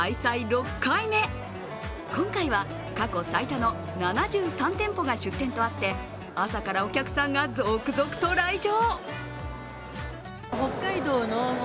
６回目、今回は過去最多の７３店舗が出店とあって、朝からお客さんが続々と来場。